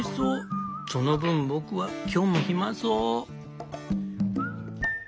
その分僕は今日も暇そう」。